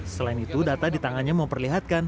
selain itu data di tangannya memperlihatkan